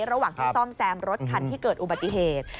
ระหว่างที่ซ่อมแซมรถคันที่เกิดอุบัติเหตุ